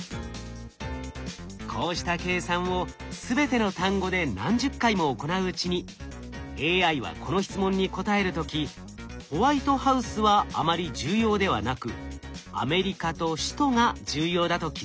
こうした計算を全ての単語で何十回も行ううちにＡＩはこの質問に答える時「ホワイトハウス」はあまり重要ではなく「アメリカ」と「首都」が重要だと気づきます。